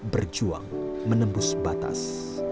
berjuang menembus batas